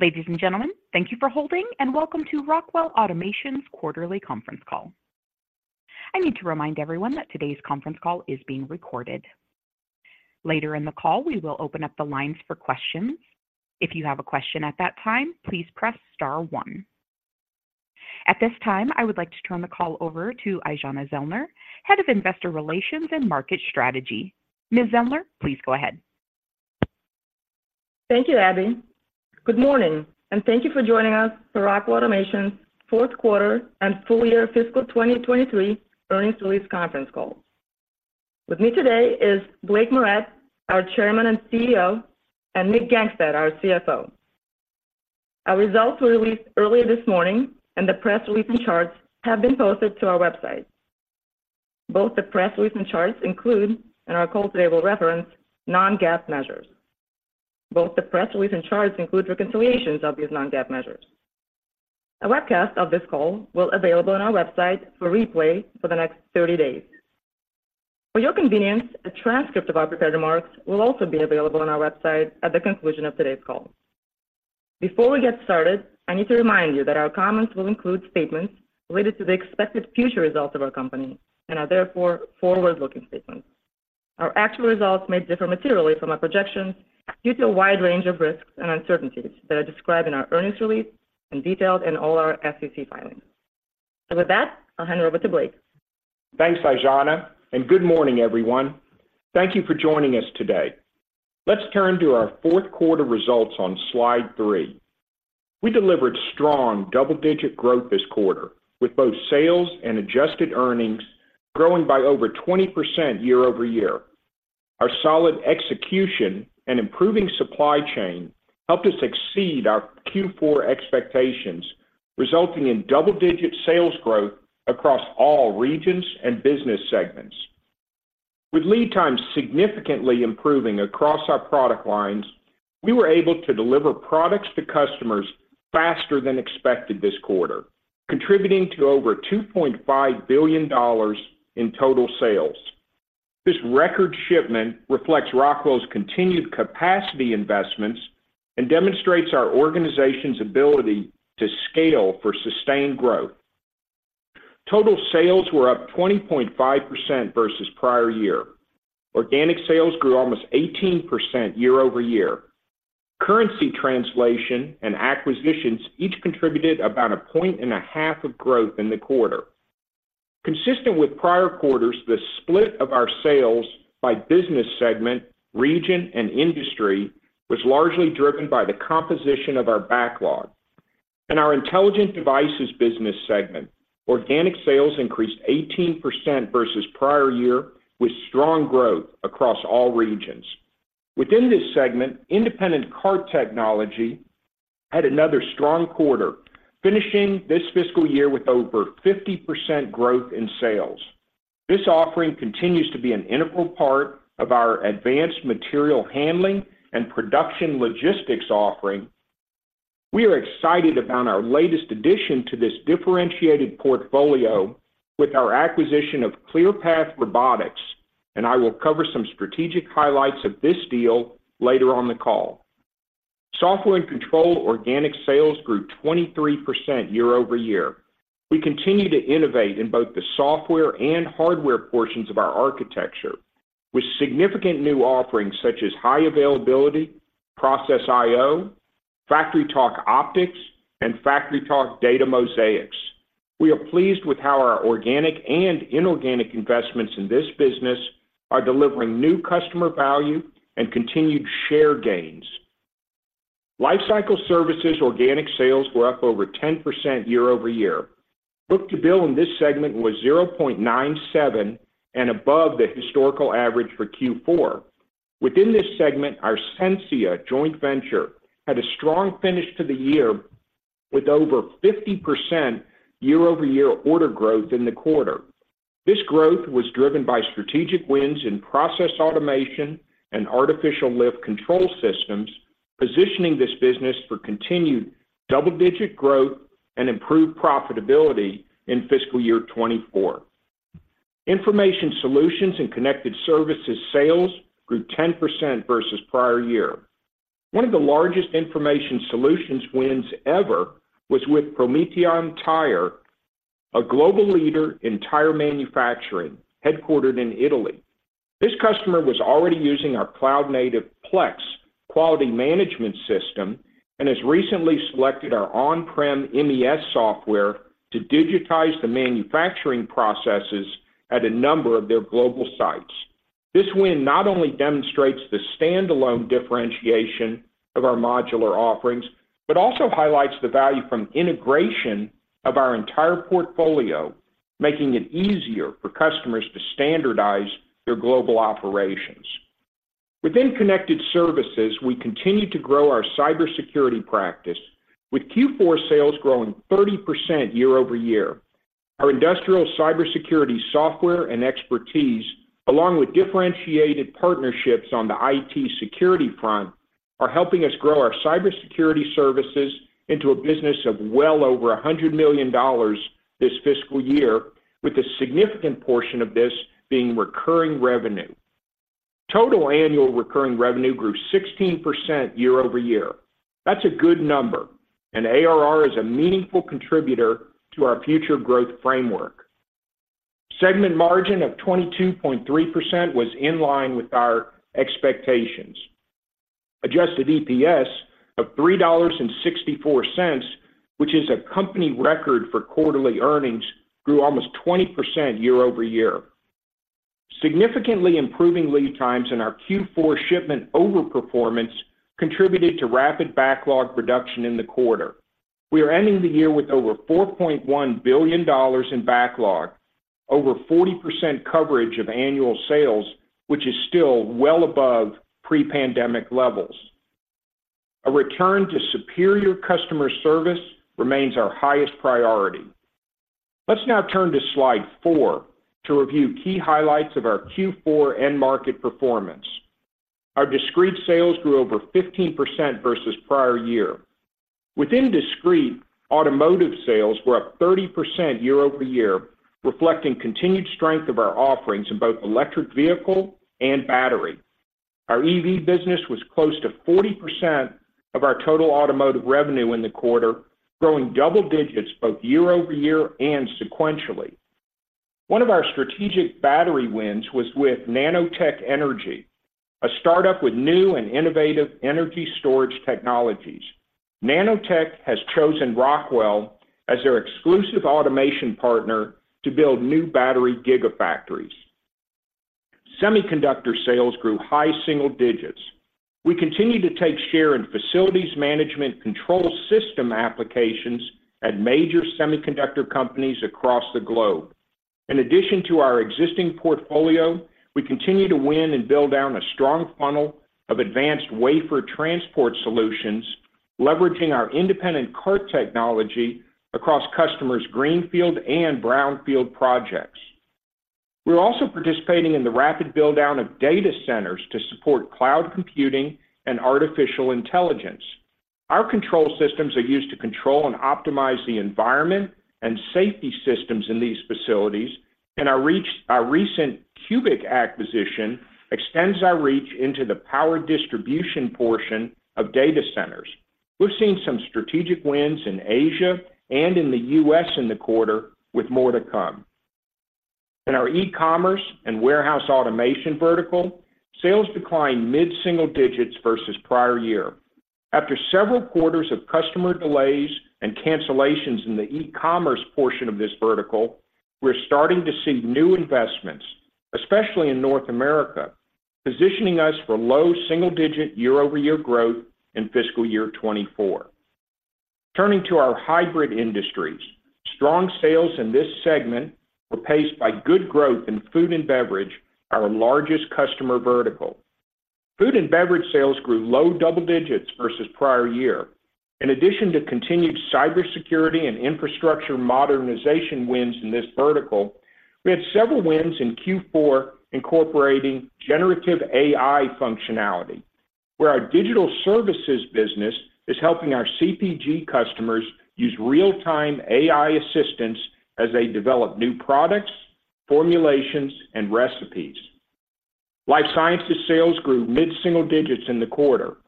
Ladies and gentlemen, thank you for holding, and welcome to Rockwell Automation's Quarterly Conference Call. I need to remind everyone that today's conference call is being recorded. Later in the call, we will open up the lines for questions. If you have a question at that time, please press star one. At this time, I would like to turn the call over to Aijana Zellner, Head of Investor Relations and Market Strategy. Ms. Zellner, please go ahead. Thank you, Abby. Good morning, and thank you for joining us for Rockwell Automation's fourth quarter and full year fiscal 2023 earnings release conference call. With me today is Blake Moret, our Chairman and CEO, and Nick Gangestad, our CFO. Our results were released earlier this morning, and the press release and charts have been posted to our website. Both the press release and charts include, and our call today will reference non-GAAP measures. Both the press release and charts include reconciliations of these non-GAAP measures. A webcast of this call will be available on our website for replay for the next 30 days. For your convenience, a transcript of our prepared remarks will also be available on our website at the conclusion of today's call. Before we get started, I need to remind you that our comments will include statements related to the expected future results of our company and are therefore forward-looking statements. Our actual results may differ materially from our projections due to a wide range of risks and uncertainties that are described in our earnings release and detailed in all our SEC filings. With that, I'll hand it over to Blake. Thanks, Aijana, and good morning, everyone. Thank you for joining us today. Let's turn to our fourth quarter results on slide 3. We delivered strong double-digit growth this quarter, with both sales and adjusted earnings growing by over 20% year-over-year. Our solid execution and improving supply chain helped us exceed our Q4 expectations, resulting in double-digit sales growth across all regions and business segments. With lead times significantly improving across our product lines, we were able to deliver products to customers faster than expected this quarter, contributing to over $2.5 billion in total sales. This record shipment reflects Rockwell's continued capacity investments and demonstrates our organization's ability to scale for sustained growth. Total sales were up 20.5% versus prior year. Organic sales grew almost 18% year-over-year. Currency translation and acquisitions each contributed about 1.5 points of growth in the quarter. Consistent with prior quarters, the split of our sales by business segment, region, and industry was largely driven by the composition of our backlog. In our Intelligent Devices business segment, organic sales increased 18% versus prior year, with strong growth across all regions. Within this segment, Independent Cart Technology had another strong quarter, finishing this fiscal year with over 50% growth in sales. This offering continues to be an integral part of our advanced material handling and production logistics offering. We are excited about our latest addition to this differentiated portfolio with our acquisition of Clearpath Robotics, and I will cover some strategic highlights of this deal later on the call. Software and Control organic sales grew 23% year-over-year. We continue to innovate in both the software and hardware portions of our architecture, with significant new offerings such as High Availability Process I/O, FactoryTalk Optix, and FactoryTalk DataMosaix. We are pleased with how our organic and inorganic investments in this business are delivering new customer value and continued share gains. Lifecycle Services organic sales were up over 10% year-over-year. Book-to-bill in this segment was 0.97x and above the historical average for Q4. Within this segment, our Sensia joint venture had a strong finish to the year with over 50% year-over-year order growth in the quarter. This growth was driven by strategic wins in process automation and artificial lift control systems, positioning this business for continued double-digit growth and improved profitability in fiscal year 2024. Information Solutions and Connected Services sales grew 10% versus prior year. One of the largest information solutions wins ever was with Prometeon Tyre, a global leader in tire manufacturing, headquartered in Italy. This customer was already using our cloud-native Plex Quality Management System and has recently selected our on-prem MES software to digitize the manufacturing processes at a number of their global sites. This win not only demonstrates the standalone differentiation of our modular offerings, but also highlights the value from integration of our entire portfolio, making it easier for customers to standardize their global operations. Within connected services, we continue to grow our cybersecurity practice, with Q4 sales growing 30% year-over-year. Our industrial cybersecurity software and expertise, along with differentiated partnerships on the IT security front, are helping us grow our cybersecurity services into a business of well over $100 million this fiscal year, with a significant portion of this being recurring revenue. Total annual recurring revenue grew 16% year-over-year. That's a good number, and ARR is a meaningful contributor to our future growth framework. Segment margin of 22.3% was in line with our expectations. Adjusted EPS of $3.64, which is a company record for quarterly earnings, grew almost 20% year-over-year. Significantly improving lead times in our Q4 shipment overperformance contributed to rapid backlog reduction in the quarter. We are ending the year with over $4.1 billion in backlog, over 40% coverage of annual sales, which is still well above pre-pandemic levels. A return to superior customer service remains our highest priority. Let's now turn to slide 4 to review key highlights of our Q4 end market performance. Our Discrete sales grew over 15% versus prior year. Within Discrete, Automotive sales were up 30% year-over-year, reflecting continued strength of our offerings in both electric vehicle and battery. Our EV business was close to 40% of our total Automotive revenue in the quarter, growing double digits both year-over-year and sequentially. One of our strategic battery wins was with Nanotech Energy, a startup with new and innovative energy storage technologies. Nanotech has chosen Rockwell as their exclusive automation partner to build new battery gigafactories. Semiconductor sales grew high single digits. We continue to take share in facilities management control system applications at major semiconductor companies across the globe. In addition to our existing portfolio, we continue to win and build down a strong funnel of advanced wafer transport solutions, leveraging our Independent Cart Technology across customers' greenfield and brownfield projects. We're also participating in the rapid build-out of data centers to support cloud computing and artificial intelligence. Our control systems are used to control and optimize the environment and safety systems in these facilities, and our reach, our recent Cubic acquisition extends our reach into the power distribution portion of data centers. We've seen some strategic wins in Asia and in the U.S. in the quarter, with more to come. In our eCommerce and warehouse automation vertical, sales declined mid-single digits versus prior year. After several quarters of customer delays and cancellations in the eCommerce portion of this vertical, we're starting to see new investments, especially in North America, positioning us for low single-digit year-over-year growth in fiscal year 2024. Turning to our Hybrid Industries. Strong sales in this segment were paced by good growth in food and beverage, our largest customer vertical. Food and beverage sales grew low double digits versus prior year. In addition to continued cybersecurity and infrastructure modernization wins in this vertical, we had several wins in Q4, incorporating generative AI functionality, where our digital services business is helping our CPG customers use real-time AI assistance as they develop new products, formulations, and recipes. Life Sciences sales grew mid-single digits in the quarter.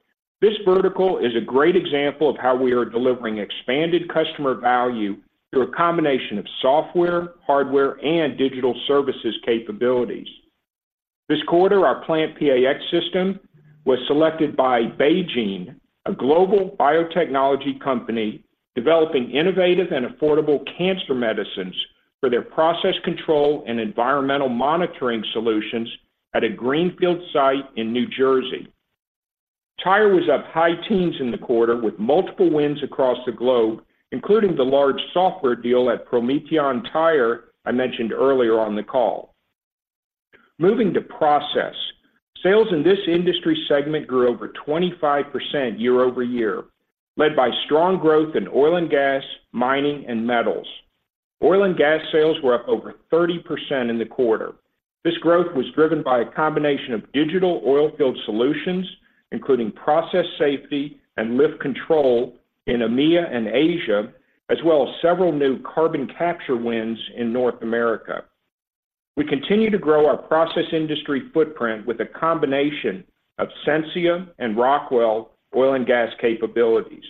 This vertical is a great example of how we are delivering expanded customer value through a combination of software, hardware, and digital services capabilities. This quarter, our PlantPAx system was selected by BeiGene, a global biotechnology company, developing innovative and affordable cancer medicines for their process control and environmental monitoring solutions at a greenfield site in New Jersey. Tire was up high teens in the quarter, with multiple wins across the globe, including the large software deal at Prometeon Tyre, I mentioned earlier on the call. Moving to Process. Sales in this industry segment grew over 25% year-over-year, led by strong growth in oil and gas, mining, and metals. Oil and gas sales were up over 30% in the quarter. This growth was driven by a combination of digital oilfield solutions, including process safety and lift control in EMEA and Asia, as well as several new carbon capture wins in North America. We continue to grow our process industry footprint with a combination of Sensia and Rockwell oil and gas capabilities.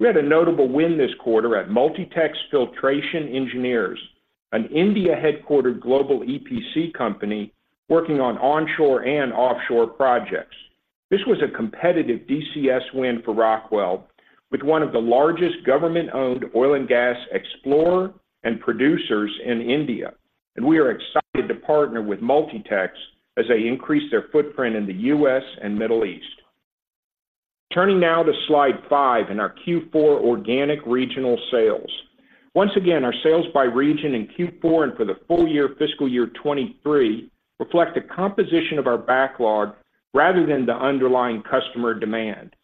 We had a notable win this quarter at Multitex Filtration Engineers, an India-headquartered global EPC company working on onshore and offshore projects. This was a competitive DCS win for Rockwell, with one of the largest government-owned oil and gas explorer and producers in India, and we are excited to partner with Multitex as they increase their footprint in the U.S. and Middle East. Turning now to slide 5 in our Q4 organic regional sales. Once again, our sales by region in Q4 and for the full year, fiscal year 2023, reflect the composition of our backlog rather than the underlying customer demand.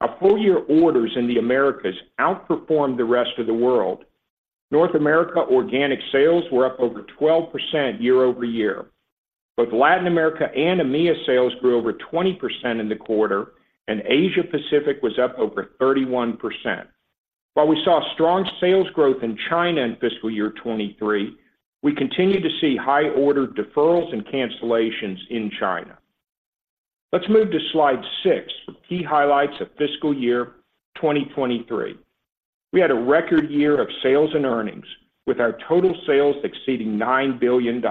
Our full-year orders in the Americas outperformed the rest of the world. North America organic sales were up over 12% year-over-year. Both Latin America and EMEA sales grew over 20% in the quarter, and Asia Pacific was up over 31%. While we saw strong sales growth in China in fiscal year 2023, we continued to see high order deferrals and cancellations in China. Let's move to slide 6, key highlights of fiscal year 2023. We had a record year of sales and earnings, with our total sales exceeding $9 billion.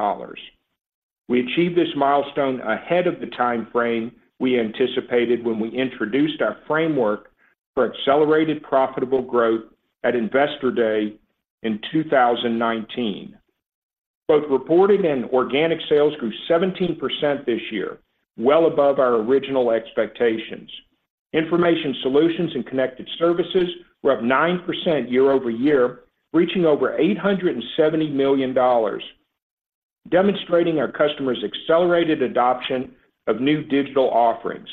We achieved this milestone ahead of the timeframe we anticipated when we introduced our framework for accelerated profitable growth at Investor Day in 2019. Both reported and organic sales grew 17% this year, well above our original expectations. Information Solutions and Connected Services were up 9% year-over-year, reaching over $870 million, demonstrating our customers' accelerated adoption of new digital offerings.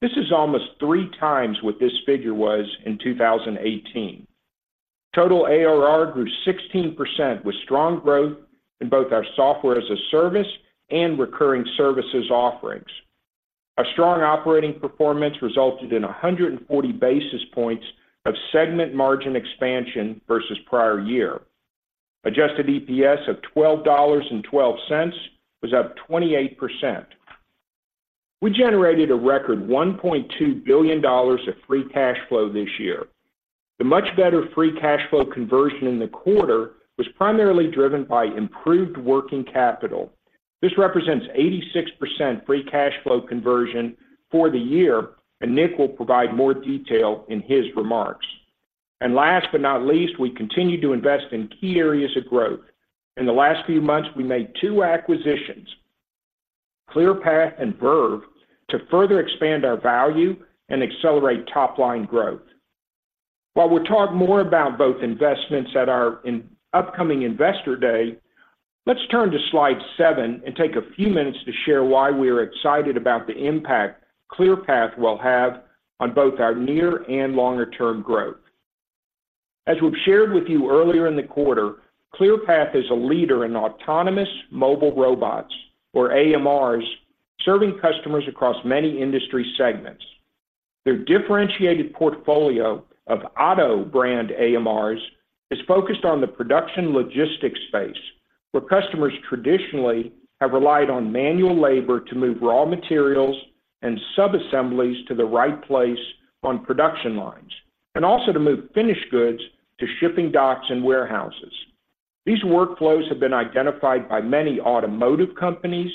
This is almost 3x what this figure was in 2018. Total ARR grew 16%, with strong growth in both our software as a service and recurring services offerings. Our strong operating performance resulted in 140 basis points of segment margin expansion versus prior year. Adjusted EPS of $12.12 was up 28%. We generated a record $1.2 billion of free cash flow this year. The much better free cash flow conversion in the quarter was primarily driven by improved working capital. This represents 86% free cash flow conversion for the year, and Nick will provide more detail in his remarks. Last but not least, we continued to invest in key areas of growth. In the last few months, we made two acquisitions, Clearpath and Verve, to further expand our value and accelerate top-line growth. While we'll talk more about both investments at our upcoming Investor Day. Let's turn to slide 7 and take a few minutes to share why we are excited about the impact Clearpath will have on both our near and longer-term growth. As we've shared with you earlier in the quarter, Clearpath is a leader in autonomous mobile robots, or AMRs, serving customers across many industry segments. Their differentiated portfolio of OTTO brand AMRs is focused on the production logistics space, where customers traditionally have relied on manual labor to move raw materials and subassemblies to the right place on production lines, and also to move finished goods to shipping docks and warehouses. These workflows have been identified by many automotive companies,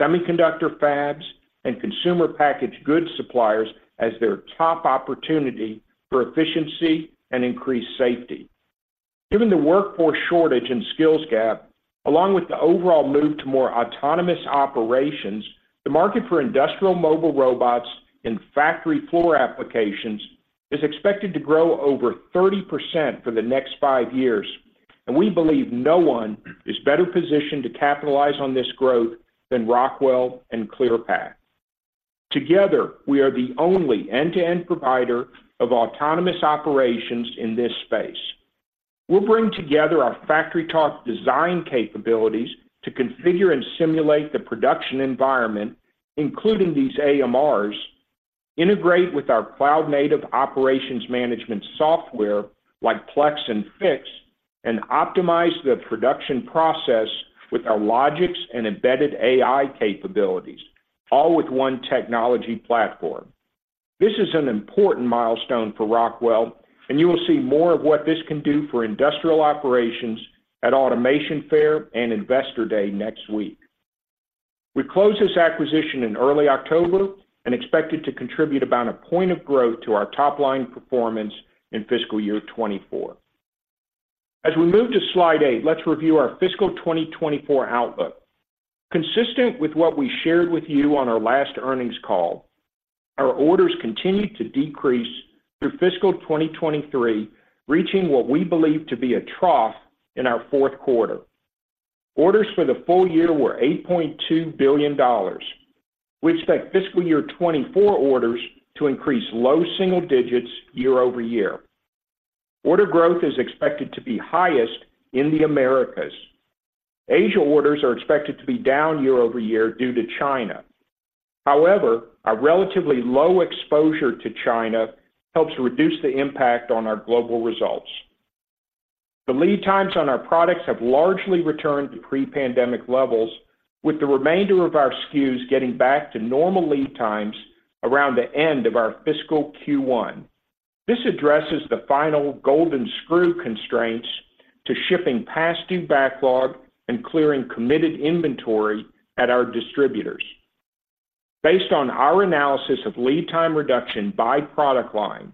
semiconductor fabs, and consumer packaged goods suppliers as their top opportunity for efficiency and increased safety. Given the workforce shortage and skills gap, along with the overall move to more autonomous operations, the market for industrial mobile robots in factory floor applications is expected to grow over 30% for the next five years, and we believe no one is better positioned to capitalize on this growth than Rockwell and Clearpath. Together, we are the only end-to-end provider of autonomous operations in this space. We'll bring together our FactoryTalk design capabilities to configure and simulate the production environment, including these AMRs, integrate with our cloud-native operations management software, like Plex and Fiix, and optimize the production process with our Logix and embedded AI capabilities, all with one technology platform. This is an important milestone for Rockwell, and you will see more of what this can do for industrial operations at Automation Fair and Investor Day next week. We closed this acquisition in early October and expect it to contribute about a point of growth to our top-line performance in fiscal year 2024. As we move to slide 8, let's review our fiscal 2024 outlook. Consistent with what we shared with you on our last earnings call, our orders continued to decrease through fiscal 2023, reaching what we believe to be a trough in our fourth quarter. Orders for the full year were $8.2 billion. We expect fiscal year 2024 orders to increase low single digits year-over-year. Order growth is expected to be highest in the Americas. Asia orders are expected to be down year-over-year due to China. However, our relatively low exposure to China helps reduce the impact on our global results. The lead times on our products have largely returned to pre-pandemic levels, with the remainder of our SKUs getting back to normal lead times around the end of our fiscal Q1. This addresses the final golden screw constraints to shipping past due backlog and clearing committed inventory at our distributors. Based on our analysis of lead time reduction by product line,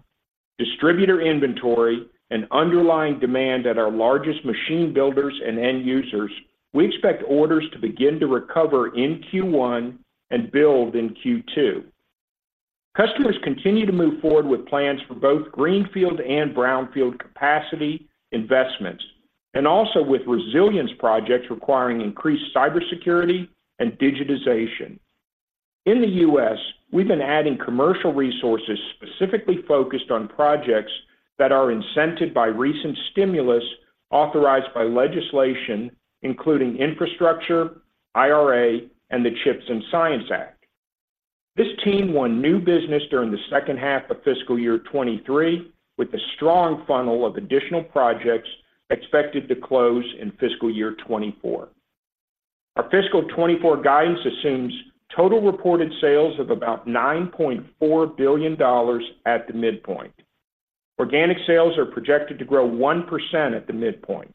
distributor inventory, and underlying demand at our largest machine builders and end users, we expect orders to begin to recover in Q1 and build in Q2. Customers continue to move forward with plans for both greenfield and brownfield capacity investments, and also with resilience projects requiring increased cybersecurity and digitization. In the U.S., we've been adding commercial resources specifically focused on projects that are incented by recent stimulus authorized by legislation, including infrastructure, IRA, and the CHIPS and Science Act. This team won new business during the second half of fiscal year 2023, with a strong funnel of additional projects expected to close in fiscal year 2024. Our fiscal 2024 guidance assumes total reported sales of about $9.4 billion at the midpoint. Organic sales are projected to grow 1% at the midpoint.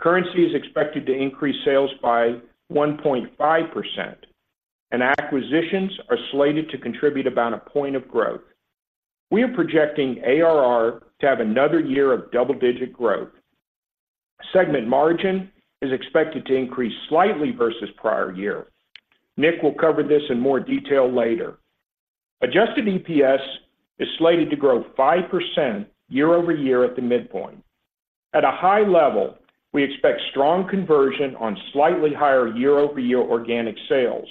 Currency is expected to increase sales by 1.5%, and acquisitions are slated to contribute about 1% of growth. We are projecting ARR to have another year of double-digit growth. Segment margin is expected to increase slightly versus prior year. Nick will cover this in more detail later. Adjusted EPS is slated to grow 5% year-over-year at the midpoint. At a high level, we expect strong conversion on slightly higher year-over-year organic sales.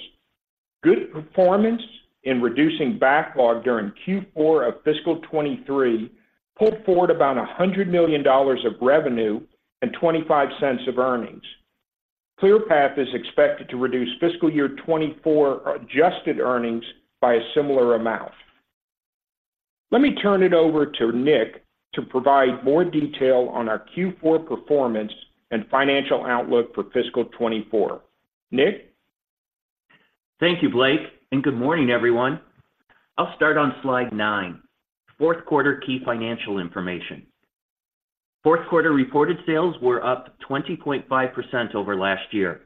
Good performance in reducing backlog during Q4 of fiscal 2023 pulled forward about $100 million of revenue and $0.25 of earnings. Clearpath is expected to reduce fiscal year 2024 adjusted earnings by a similar amount. Let me turn it over to Nick to provide more detail on our Q4 performance and financial outlook for fiscal 2024. Nick? Thank you, Blake, and good morning, everyone. I'll start on slide 9, fourth quarter key financial information. Fourth quarter reported sales were up 20.5% over last year.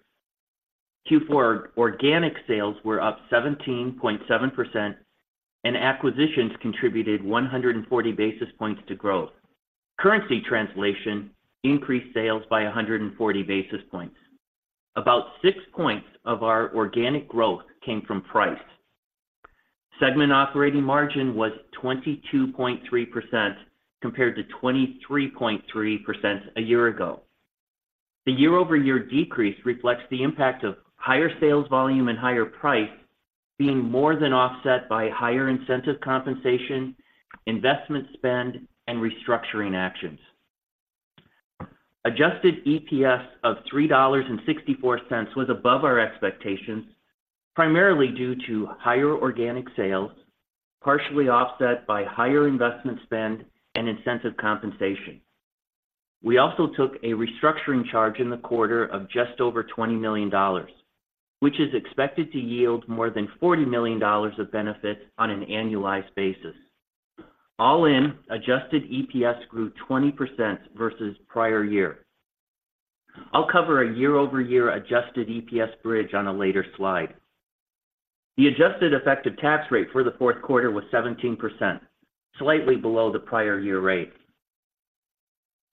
Q4 organic sales were up 17.7%, and acquisitions contributed 140 basis points to growth. Currency translation increased sales by 140 basis points. About 6 points of our organic growth came from price. Segment operating margin was 22.3%, compared to 23.3% a year ago. The year-over-year decrease reflects the impact of higher sales volume and higher price being more than offset by higher incentive compensation, investment spend, and restructuring actions. Adjusted EPS of $3.64 was above our expectations, primarily due to higher organic sales, partially offset by higher investment spend and incentive compensation. We also took a restructuring charge in the quarter of just over $20 million, which is expected to yield more than $40 million of benefit on an annualized basis. All in, adjusted EPS grew 20% versus prior year. I'll cover a year-over-year adjusted EPS bridge on a later slide. The adjusted effective tax rate for the fourth quarter was 17%, slightly below the prior year rate.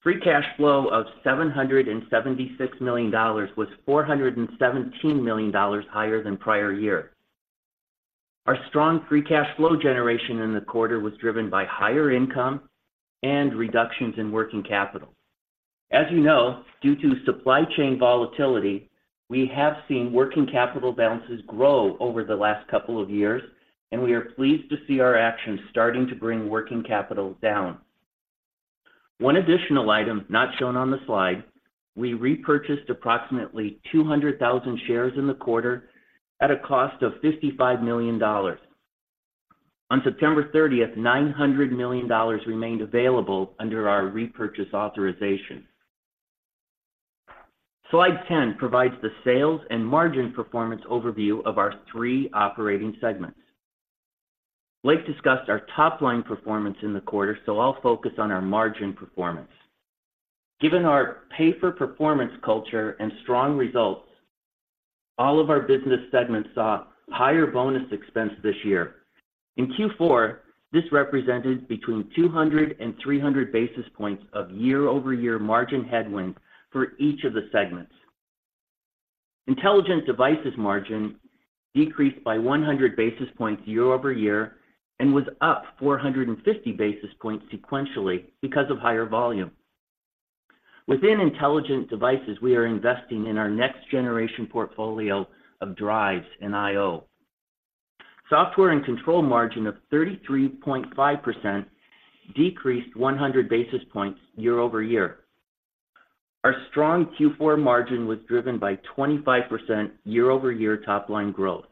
Free cash flow of $776 million was $417 million higher than prior year. Our strong free cash flow generation in the quarter was driven by higher income and reductions in working capital. As you know, due to supply chain volatility, we have seen working capital balances grow over the last couple of years, and we are pleased to see our actions starting to bring working capital down. One additional item not shown on the slide, we repurchased approximately 200,000 shares in the quarter at a cost of $55 million. On September 30th, $900 million remained available under our repurchase authorization. Slide 10 provides the sales and margin performance overview of our three operating segments. Blake discussed our top-line performance in the quarter, so I'll focus on our margin performance. Given our pay-for-performance culture and strong results, all of our business segments saw higher bonus expense this year. In Q4, this represented between 200 and 300 basis points of year-over-year margin headwind for each of the segments. Intelligent Devices margin decreased by 100 basis points year-over-year and was up 450 basis points sequentially because of higher volume. Within Intelligent Devices, we are investing in our next generation portfolio of drives and I/O. Software and Control margin of 33.5% decreased 100 basis points year-over-year. Our strong Q4 margin was driven by 25% year-over-year top-line growth.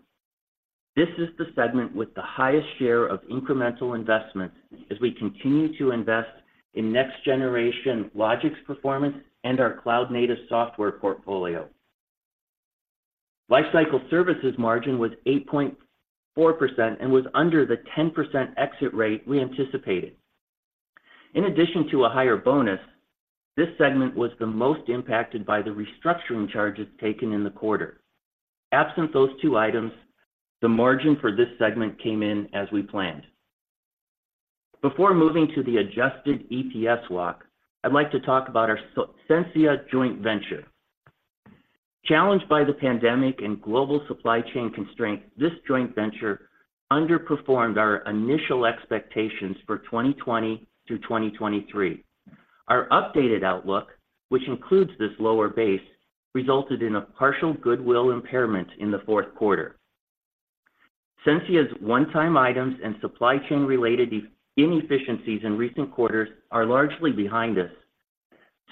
This is the segment with the highest share of incremental investment as we continue to invest in next-generation Logix performance and our cloud-native software portfolio. Lifecycle Services margin was 8.4% and was under the 10% exit rate we anticipated. In addition to a higher bonus, this segment was the most impacted by the restructuring charges taken in the quarter. Absent those two items, the margin for this segment came in as we planned. Before moving to the adjusted EPS walk, I'd like to talk about our Sensia joint venture. Challenged by the pandemic and global supply chain constraints, this joint venture underperformed our initial expectations for 2020 to 2023. Our updated outlook, which includes this lower base, resulted in a partial goodwill impairment in the fourth quarter. Sensia's one-time items and supply chain-related inefficiencies in recent quarters are largely behind us.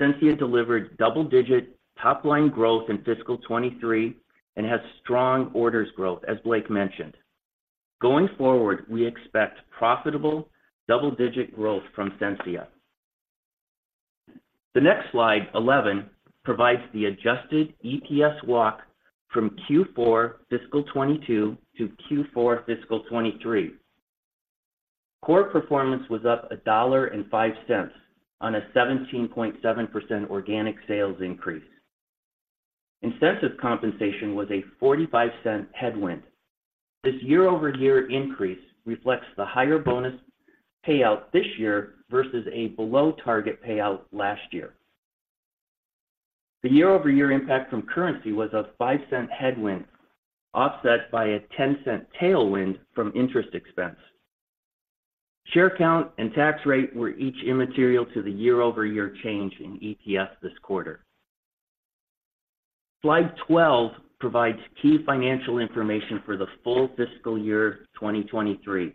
Sensia delivered double-digit top-line growth in fiscal 2023 and has strong orders growth, as Blake mentioned. Going forward, we expect profitable double-digit growth from Sensia. The next slide, 11, provides the adjusted EPS walk from Q4 fiscal 2022 to Q4 fiscal 2023. Core performance was up $1.05 on a 17.7% organic sales increase. Incentive compensation was a $0.45 headwind. This year-over-year increase reflects the higher bonus payout this year versus a below target payout last year. The year-over-year impact from currency was a $0.05 headwind, offset by a $0.10 tailwind from interest expense. Share count and tax rate were each immaterial to the year-over-year change in EPS this quarter. Slide 12 provides key financial information for the full fiscal year 2023.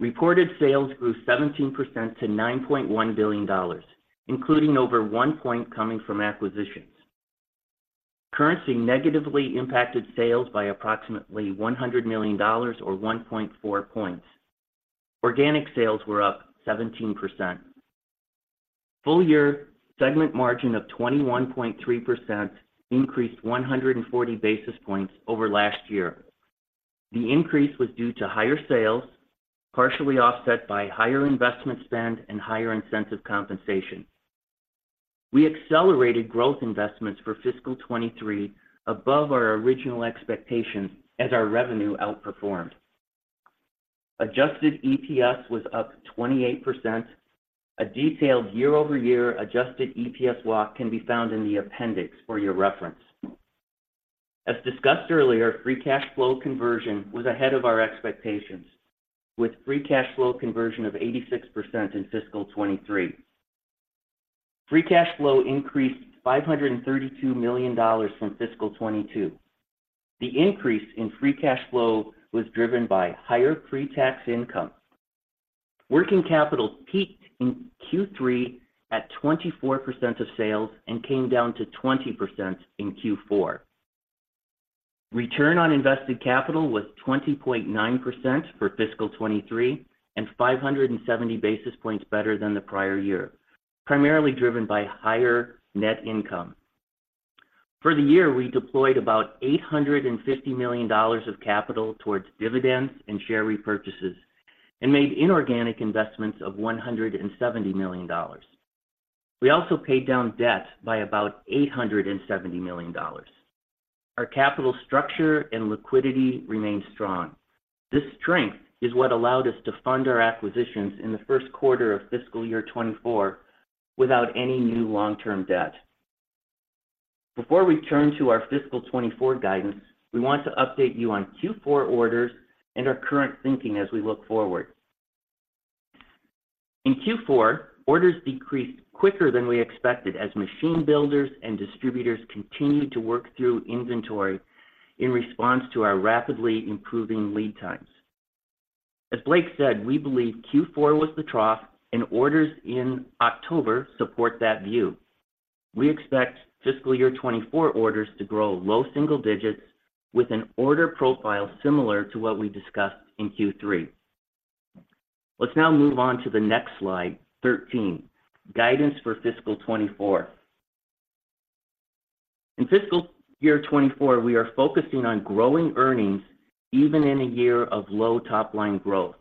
Reported sales grew 17% to $9.1 billion, including over 1% coming from acquisitions. Currency negatively impacted sales by approximately $100 million or 1.4 points. Organic sales were up 17%. Full year segment margin of 21.3% increased 140 basis points over last year. The increase was due to higher sales, partially offset by higher investment spend and higher incentive compensation. We accelerated growth investments for fiscal 2023 above our original expectations as our revenue outperformed. Adjusted EPS was up 28%. A detailed year-over-year adjusted EPS walk can be found in the appendix for your reference. As discussed earlier, free cash flow conversion was ahead of our expectations, with free cash flow conversion of 86% in fiscal 2023. Free cash flow increased $532 million from fiscal 2022. The increase in free cash flow was driven by higher pre-tax income. Working capital peaked in Q3 at 24% of sales and came down to 20% in Q4. Return on invested capital was 20.9% for fiscal 2023, and 570 basis points better than the prior year, primarily driven by higher net income. For the year, we deployed about $850 million of capital towards dividends and share repurchases, and made inorganic investments of $170 million. We also paid down debt by about $870 million. Our capital structure and liquidity remain strong. This strength is what allowed us to fund our acquisitions in the first quarter of fiscal year 2024 without any new long-term debt. Before we turn to our fiscal 2024 guidance, we want to update you on Q4 orders and our current thinking as we look forward. In Q4, orders decreased quicker than we expected, as machine builders and distributors continued to work through inventory in response to our rapidly improving lead times. As Blake said, we believe Q4 was the trough, and orders in October support that view. We expect fiscal year 2024 orders to grow low single digits with an order profile similar to what we discussed in Q3. Let's now move on to the next slide, 13, Guidance for fiscal 2024. In fiscal year 2024, we are focusing on growing earnings, even in a year of low top-line growth.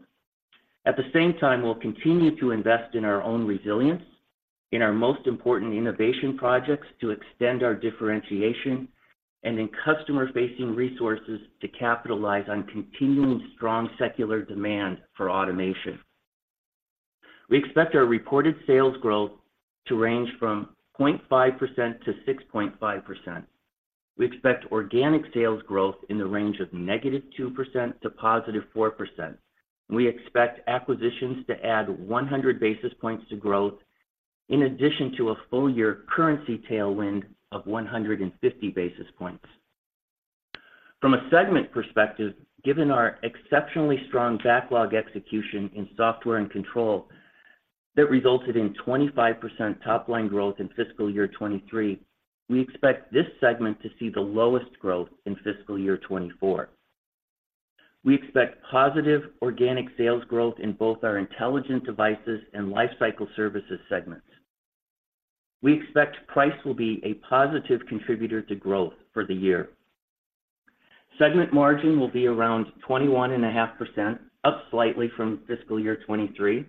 At the same time, we'll continue to invest in our own resilience, in our most important innovation projects to extend our differentiation, and in customer-facing resources to capitalize on continuing strong secular demand for automation. We expect our reported sales growth to range from 0.5% to 6.5%. We expect organic sales growth in the range of -2% to +4%. We expect acquisitions to add 100 basis points to growth, in addition to a full year currency tailwind of 150 basis points. From a segment perspective, given our exceptionally strong backlog execution in Software and Control that resulted in 25% top line growth in fiscal year 2023, we expect this segment to see the lowest growth in fiscal year 2024. We expect positive organic sales growth in both our Intelligent Devices and Lifecycle Services segments. We expect price will be a positive contributor to growth for the year. Segment margin will be around 21.5%, up slightly from fiscal year 2023.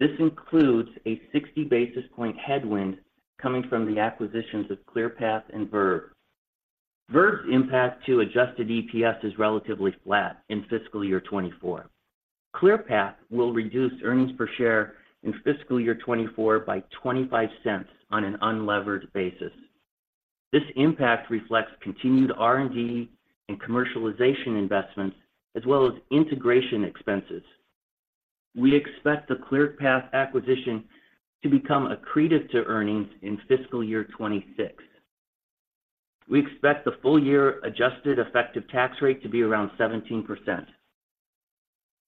This includes a 60 basis point headwind coming from the acquisitions of Clearpath and Verve. Verve's impact to adjusted EPS is relatively flat in fiscal year 2024. Clearpath will reduce earnings per share in fiscal year 2024 by $0.25 on an unlevered basis. This impact reflects continued R&D and commercialization investments, as well as integration expenses. We expect the Clearpath acquisition to become accretive to earnings in fiscal year 2026. We expect the full year adjusted effective tax rate to be around 17%.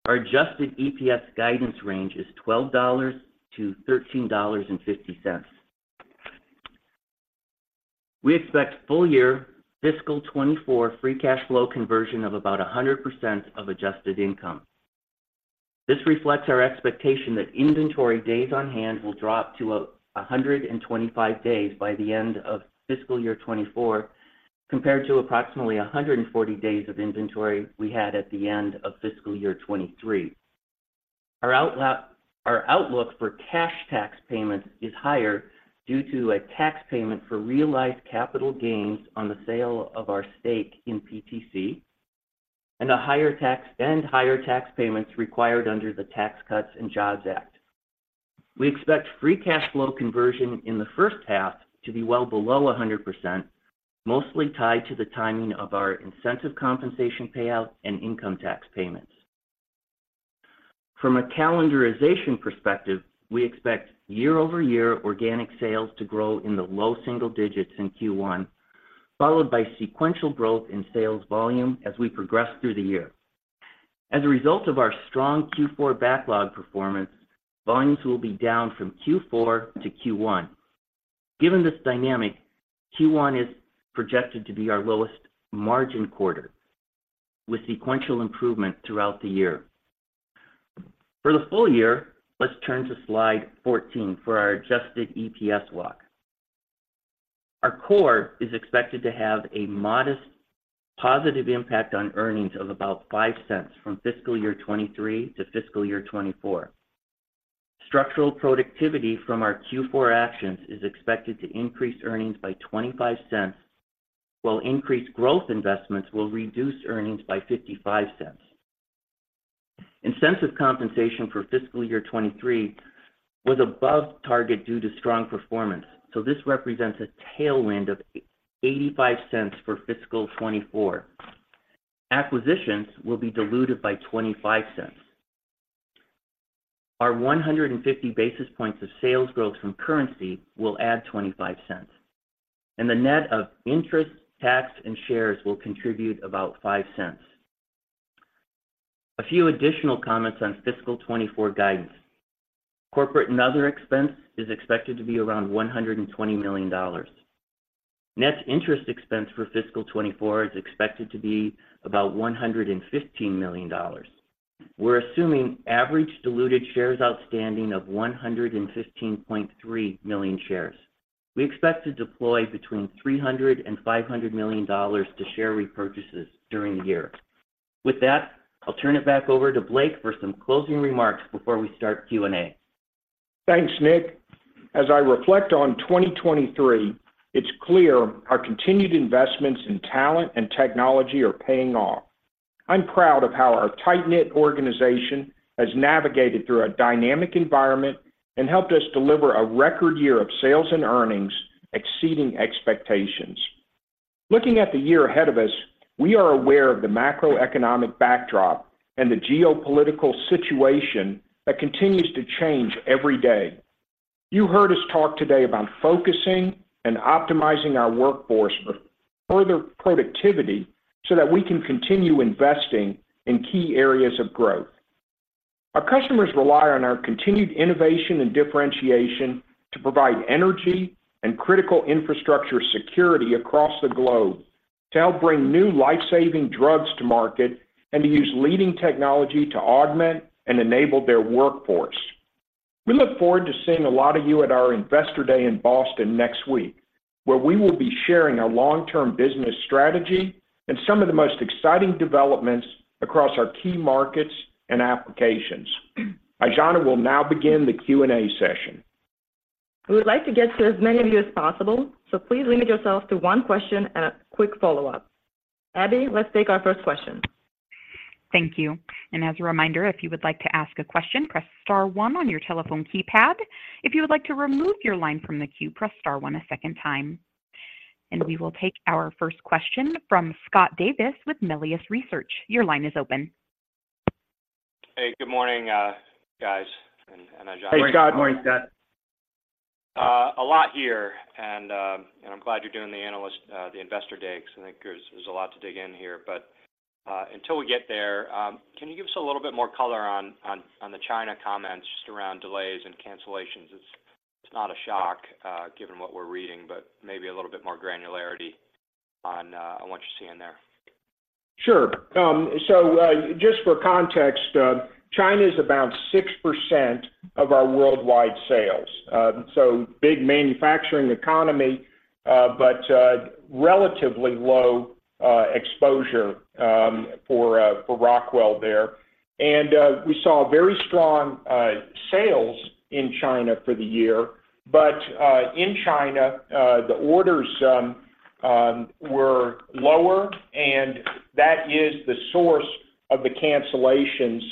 Our adjusted EPS guidance range is $12-$13.50. We expect full year fiscal 2024 free cash flow conversion of about 100% of adjusted income. This reflects our expectation that inventory days on hand will drop to 125 days by the end of fiscal year 2024, compared to approximately 140 days of inventory we had at the end of fiscal year 2023. Our outlook for cash tax payments is higher due to a tax payment for realized capital gains on the sale of our stake in PTC, and higher tax payments required under the Tax Cuts and Jobs Act. We expect free cash flow conversion in the first half to be well below 100%, mostly tied to the timing of our incentive compensation payouts and income tax payments. From a calendarization perspective, we expect year-over-year organic sales to grow in the low single digits in Q1, followed by sequential growth in sales volume as we progress through the year. As a result of our strong Q4 backlog performance, volumes will be down from Q4 to Q1. Given this dynamic, Q1 is projected to be our lowest margin quarter, with sequential improvement throughout the year. For the full year, let's turn to slide 14 for our adjusted EPS walk. Our core is expected to have a modest positive impact on earnings of about $0.05 from fiscal year 2023 to fiscal year 2024. Structural productivity from our Q4 actions is expected to increase earnings by $0.25, while increased growth investments will reduce earnings by $0.55. Incentive compensation for fiscal year 2023 was above target due to strong performance, so this represents a tailwind of eighty-five cents for fiscal 2024. Acquisitions will be diluted by $0.25. Our 150 basis points of sales growth from currency will add $0.25, and the net of interest, tax, and shares will contribute about $0.05. A few additional comments on fiscal 2024 guidance. Corporate and other expense is expected to be around $120 million. Net interest expense for fiscal 2024 is expected to be about $115 million. We're assuming average diluted shares outstanding of 115.3 million shares. We expect to deploy between $300 million and $500 million to share repurchases during the year. With that, I'll turn it back over to Blake for some closing remarks before we start Q&A. Thanks, Nick. As I reflect on 2023, it's clear our continued investments in talent and technology are paying off. I'm proud of how our tight-knit organization has navigated through a dynamic environment and helped us deliver a record year of sales and earnings, exceeding expectations. Looking at the year ahead of us, we are aware of the macroeconomic backdrop and the geopolitical situation that continues to change every day. You heard us talk today about focusing and optimizing our workforce for further productivity so that we can continue investing in key areas of growth. Our customers rely on our continued innovation and differentiation to provide energy and critical infrastructure security across the globe, to help bring new life-saving drugs to market, and to use leading technology to augment and enable their workforce. We look forward to seeing a lot of you at our Investor Day in Boston next week, where we will be sharing our long-term business strategy and some of the most exciting developments across our key markets and applications. Aijana will now begin the Q&A session. We would like to get to as many of you as possible, so please limit yourself to one question and a quick follow-up. Abby, let's take our first question. Thank you. And as a reminder, if you would like to ask a question, press star one on your telephone keypad. If you would like to remove your line from the queue, press star one a second time. And we will take our first question from Scott Davis with Melius Research. Your line is open. Hey, good morning, guys, and Aijana. Hey, Scott. Morning, Scott. A lot here, and I'm glad you're doing the analyst, the Investor Day, because I think there's a lot to dig in here. But until we get there, can you give us a little bit more color on the China comments just around delays and cancellations? It's not a shock, given what we're reading, but maybe a little bit more granularity on what you're seeing there. Sure. So, just for context, China is about 6% of our worldwide sales. So big manufacturing economy, but relatively low exposure for Rockwell there. And we saw very strong sales in China for the year, but in China the orders were lower, and that is the source of the cancellations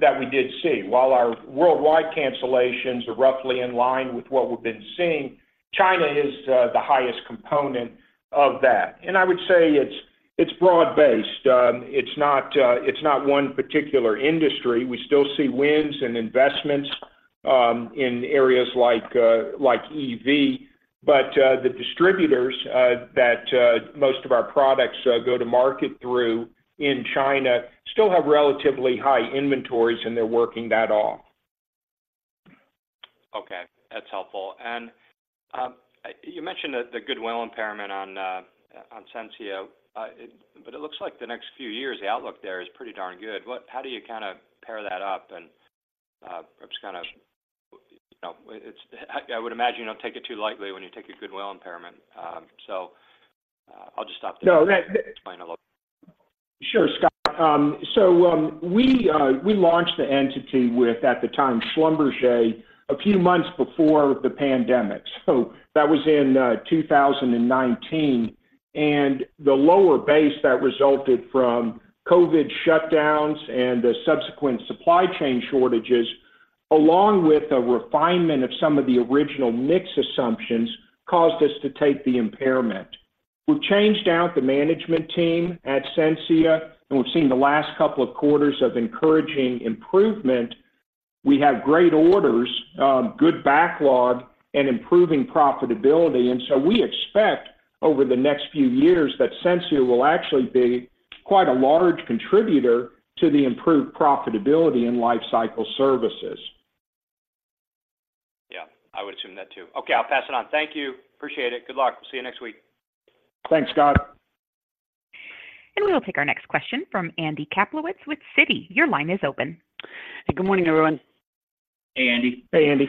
that we did see. While our worldwide cancellations are roughly in line with what we've been seeing, China is the highest component of that. And I would say it's broad-based. It's not one particular industry. We still see wins and investments in areas like EV. The distributors that most of our products go to market through in China still have relatively high inventories, and they're working that off. Okay, that's helpful. And you mentioned the goodwill impairment on Sensia. But it looks like the next few years, the outlook there is pretty darn good. What, how do you kind of pair that up? And just kind of, you know, it's, I would imagine you don't take it too lightly when you take a goodwill impairment. So, I'll just stop there. No, that-- Explain a little. Sure, Scott. So, we launched the entity with, at the time, Schlumberger, a few months before the pandemic, so that was in 2019. And the lower base that resulted from COVID shutdowns and the subsequent supply chain shortages, along with a refinement of some of the original mix assumptions, caused us to take the impairment. We've changed out the management team at Sensia, and we've seen the last couple of quarters of encouraging improvement. We have great orders, good backlog, and improving profitability, and so we expect over the next few years that Sensia will actually be quite a large contributor to the improved profitability in Lifecycle Services. Yeah, I would assume that too. Okay, I'll pass it on. Thank you. Appreciate it. Good luck. We'll see you next week. Thanks, Scott. We will take our next question from Andy Kaplowitz with Citi. Your line is open. Hey, good morning, everyone. Hey, Andy. Hey, Andy.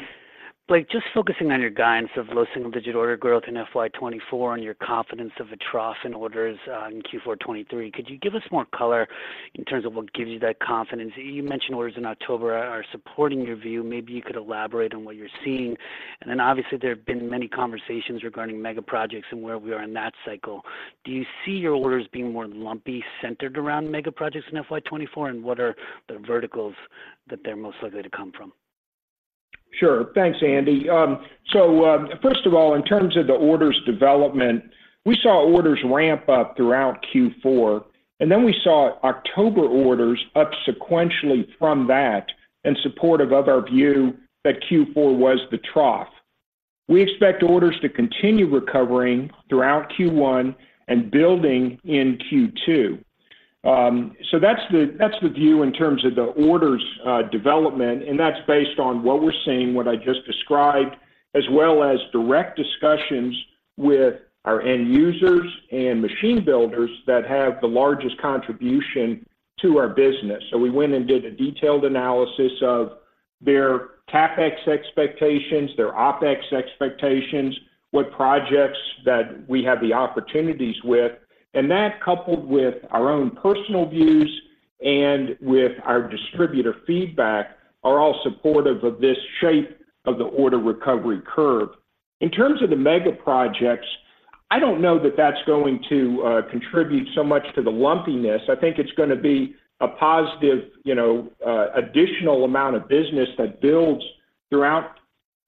Blake, just focusing on your guidance of low single-digit order growth in FY 2024 and your confidence of a trough in orders in Q4 2023, could you give us more color in terms of what gives you that confidence? You mentioned orders in October are supporting your view. Maybe you could elaborate on what you're seeing. And then, obviously, there have been many conversations regarding mega projects and where we are in that cycle. Do you see your orders being more lumpy, centered around mega projects in FY 2024? And what are the verticals that they're most likely to come from? Sure. Thanks, Andy. So, first of all, in terms of the orders development, we saw orders ramp up throughout Q4, and then we saw October orders up sequentially from that in support of our view that Q4 was the trough. We expect orders to continue recovering throughout Q1 and building in Q2. So that's the view in terms of the orders development, and that's based on what we're seeing, what I just described, as well as direct discussions with our end users and machine builders that have the largest contribution to our business. So we went and did a detailed analysis of their CapEx expectations, their OpEx expectations, what projects that we have the opportunities with, and that, coupled with our own personal views and with our distributor feedback, are all supportive of this shape of the order recovery curve. In terms of the mega projects, I don't know that that's going to contribute so much to the lumpiness. I think it's gonna be a positive, you know, additional amount of business that builds throughout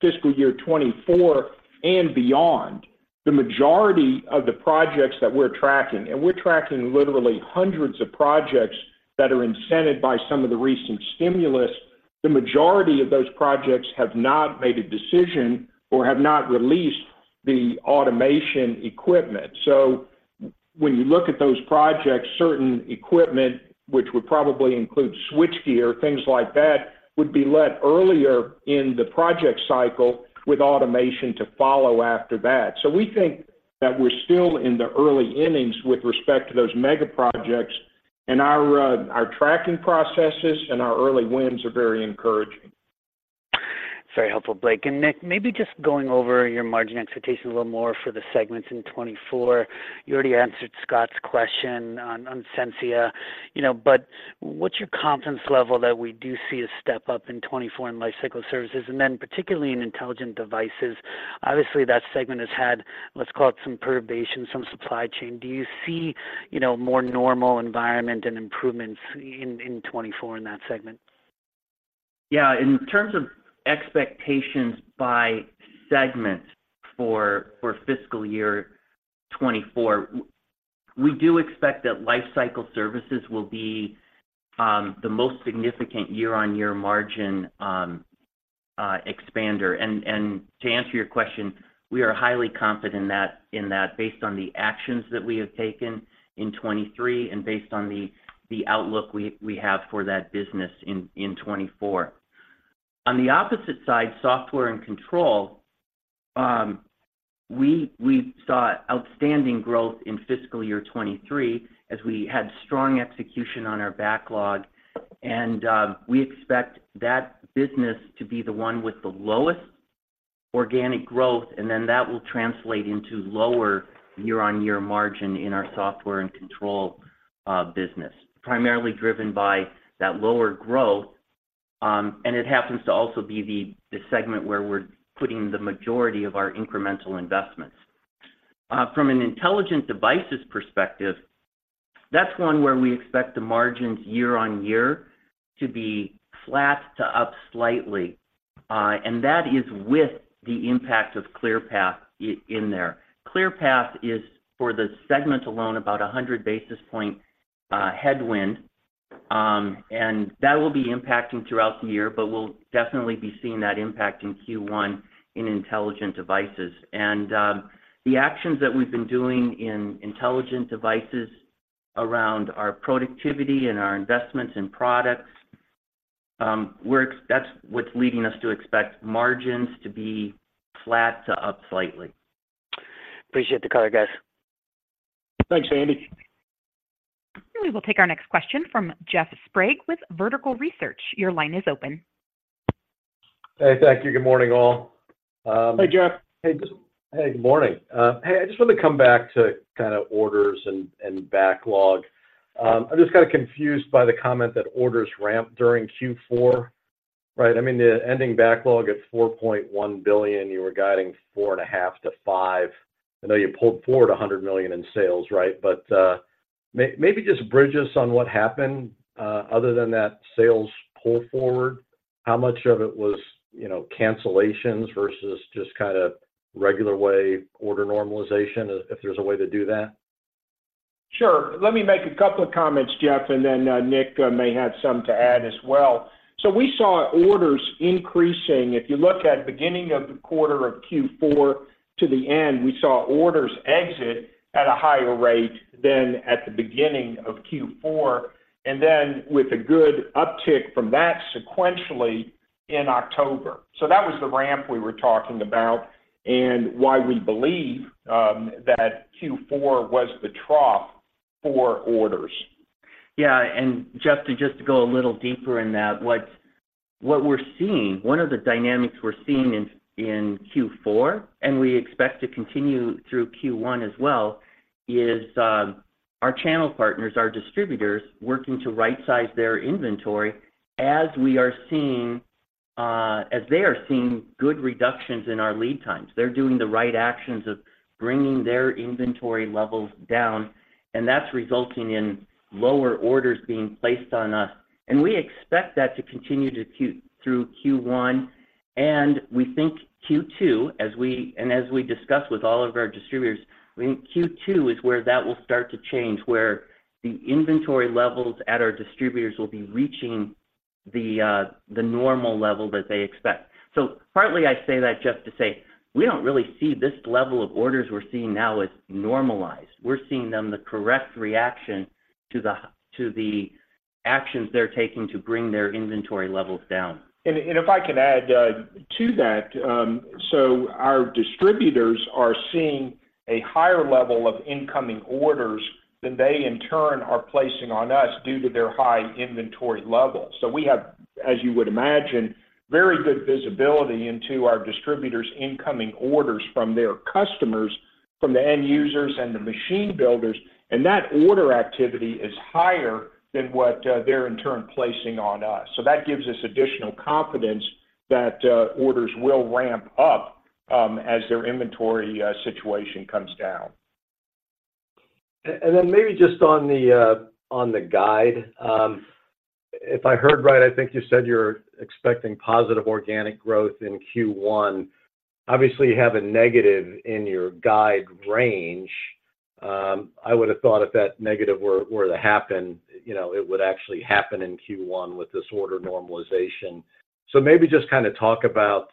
fiscal year 2024 and beyond. The majority of the projects that we're tracking, and we're tracking literally hundreds of projects that are incented by some of the recent stimulus, the majority of those projects have not made a decision or have not released the automation equipment. So when you look at those projects, certain equipment, which would probably include switchgear, things like that, would be led earlier in the project cycle, with automation to follow after that. So we think that we're still in the early innings with respect to those mega projects, and our tracking processes and our early wins are very encouraging. Very helpful, Blake. And Nick, maybe just going over your margin expectations a little more for the segments in 2024. You already answered Scott's question on Sensia, you know, but what's your confidence level that we do see a step up in 2024 in Lifecycle Services, and then particularly in Intelligent Devices? Obviously, that segment has had, let's call it, some perturbation, some supply chain. Do you see, you know, more normal environment and improvements in 2024 in that segment? Yeah. In terms of expectations by segment for fiscal year 2024, we do expect that Lifecycle Services will be the most significant year-on-year margin expander. And to answer your question, we are highly confident in that, based on the actions that we have taken in 2023 and based on the outlook we have for that business in 2024. On the opposite side, Software and Control, we saw outstanding growth in fiscal year 2023 as we had strong execution on our backlog, and we expect that business to be the one with the lowest organic growth, and then that will translate into lower year-on-year margin in our Software and Control business, primarily driven by that lower growth, and it happens to also be the segment where we're putting the majority of our incremental investments. From an Intelligent Devices perspective, that's one where we expect the margins year-on-year to be flat to up slightly, and that is with the impact of Clearpath in there. Clearpath is, for the segment alone, about 100 basis points headwind, and that will be impacting throughout the year, but we'll definitely be seeing that impact in Q1 in Intelligent Devices. The actions that we've been doing in Intelligent Devices around our productivity and our investments in products, that's what's leading us to expect margins to be flat to up slightly. Appreciate the color, guys. Thanks, Andy. We will take our next question from Jeff Sprague with Vertical Research. Your line is open. Hey, thank you. Good morning, all. Hey, Jeff. Hey, hey, good morning. Hey, I just want to come back to kind of orders and backlog. I'm just kind of confused by the comment that orders ramped during Q4, right? I mean, the ending backlog at $4.1 billion, you were guiding $4.5 billion-$5 billion. I know you pulled forward $100 million in sales, right? But, maybe just bridge us on what happened, other than that sales pull forward. How much of it was, you know, cancellations versus just kind of regular way order normalization, if there's a way to do that? Sure. Let me make a couple of comments, Jeff, and then, Nick, may have some to add as well. So we saw orders increasing. If you look at beginning of the quarter of Q4 to the end, we saw orders exit at a higher rate than at the beginning of Q4, and then with a good uptick from that sequentially in October. So that was the ramp we were talking about and why we believe, that Q4 was the trough for orders. Yeah, and Jeff, to just to go a little deeper in that, what we're seeing, one of the dynamics we're seeing in Q4, and we expect to continue through Q1 as well, is our channel partners, our distributors, working to right size their inventory as we are seeing, as they are seeing good reductions in our lead times. They're doing the right actions of bringing their inventory levels down, and that's resulting in lower orders being placed on us. And we expect that to continue through Q1, and we think Q2, as we, and as we discuss with all of our distributors, we think Q2 is where that will start to change, where the inventory levels at our distributors will be reaching the normal level that they expect. So partly I say that, Jeff, to say, we don't really see this level of orders we're seeing now as normalized. We're seeing them the correct reaction to the actions they're taking to bring their inventory levels down. If I could add to that, so our distributors are seeing a higher level of incoming orders than they in turn are placing on us due to their high inventory levels. So we have, as you would imagine, very good visibility into our distributors' incoming orders from their customers, from the end users and the machine builders, and that order activity is higher than what they're in turn placing on us. So that gives us additional confidence that orders will ramp up as their inventory situation comes down. And then maybe just on the guide, if I heard right, I think you said you're expecting positive organic growth in Q1. Obviously, you have a negative in your guide range. I would have thought if that negative were to happen, you know, it would actually happen in Q1 with this order normalization. So maybe just kind of talk about,